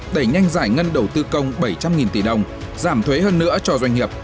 đẩy nhanh giải ngân đầu tư công bảy trăm linh tỷ đồng giảm thuế hơn nữa cho doanh nghiệp